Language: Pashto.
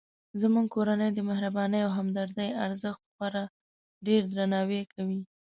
زموږ کورنۍ د مهربانۍ او همدردۍ ارزښت خورا ډیردرناوی کوي